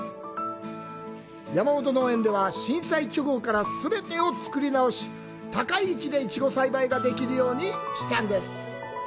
山元農園では、震災直後から全てを作り直し、高い位置でイチゴ栽培ができるようにしたそうです。